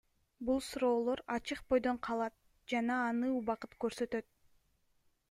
Бул суроолор ачык бойдон калат жана аны убакыт көрсөтөт.